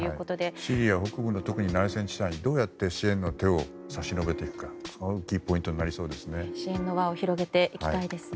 シリア北部の特に内戦地帯にどうやって支援の手を差し伸べていくかが大きなポイントになりそうですね。